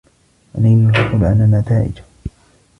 علينا الحصول على نتائج.